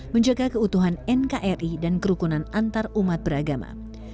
menjaga keutuhan nkri dan kerukunan antarumat beragama